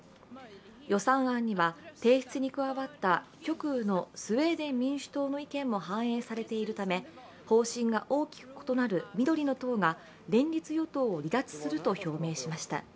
予算案には提出に加わった極右のスウェーデン民主党の意見も反映されているため方針が大きく異なる緑の党が連立与党を離脱すると表明しました。